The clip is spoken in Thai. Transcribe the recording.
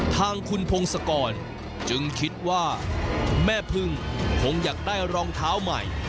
ทางคุณพงศกรจึงคิดว่าแม่พึ่งคงอยากได้รองเท้าใหม่